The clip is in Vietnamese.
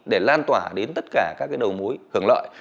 để lan tỏa đến tất cả các đầu mối hưởng lợi